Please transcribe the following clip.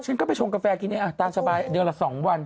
ฉันก็ไปชงกาแฟกินเองตามสบายเดือนละ๒วัน